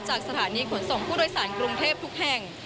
จากสถานีขนส่งผู้โดยสารกรุงเทพทุกแห่ง